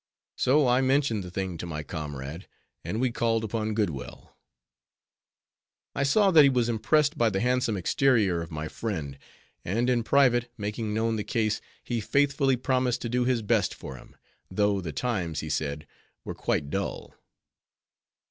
So I mentioned the thing to my comrade; and we called upon Goodwell. I saw that he was impressed by the handsome exterior of my friend; and in private, making known the case, he faithfully promised to do his best for him; though the times, he said, were quite dull.